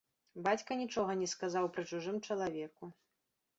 Бацька нічога не сказаў пры чужым чалавеку.